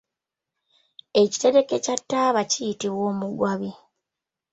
Ekitereke kya taaba kiyitibwa omugwabi.